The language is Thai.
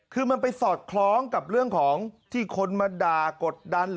คือมันไปสอดคล้องกับเรื่องของที่คนมาด่ากดดันเหรอ